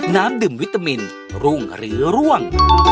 น้ำดื่มวิตามินรุ่งหรือร่วง